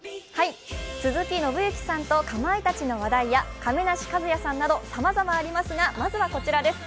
鈴木伸之さんとかまいたちの話題や亀梨和也さんなど、さまざまありますが、まずはこちらです。